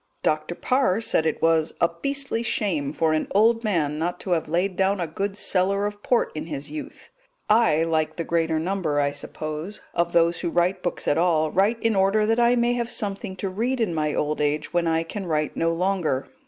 Dr. Parr said it was "a beastly shame for an old man not to have laid down a good cellar of port in his youth"; I, like the greater number, I suppose, of those who write books at all, write in order that I may have something to read in my old age when I can write no longer.